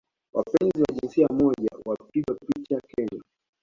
wapenzi wa jinsia moja wapigwa picha Kenya